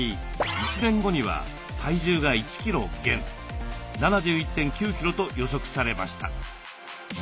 １年後には体重が１キロ減７１．９キロと予測されました。